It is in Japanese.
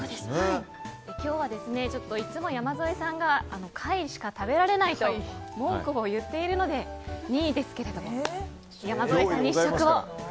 今日は、いつも山添さんが下位しか食べられないと文句を言っているので２位ですけれども山添さんに試食を。